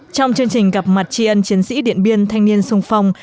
trong chương trình gặp mặt tri ân chiến sĩ điện biên thanh niên sung phong